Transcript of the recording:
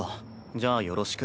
じゃあよろしく。